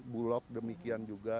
bulog demikian juga